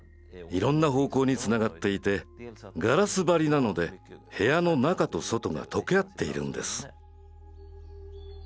いろんな方向につながっていてガラス張りなので部屋の中と外が溶け合っているんです。